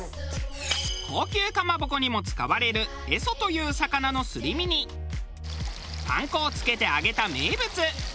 高級かまぼこにも使われるエソという魚のすり身にパン粉をつけて揚げた名物。